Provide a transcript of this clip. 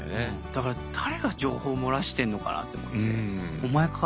だから誰が情報漏らしてんのかなって思ってお前か？